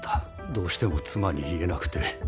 どうしても妻に言えなくて。